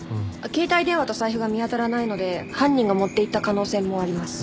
携帯電話と財布が見当たらないので犯人が持っていった可能性もあります。